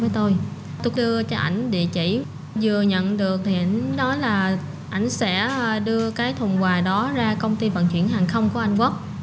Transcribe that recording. tôi đưa cho ảnh địa chỉ vừa nhận được thì đó là ảnh sẽ đưa cái thùng quà đó ra công ty vận chuyển hàng không của anh quốc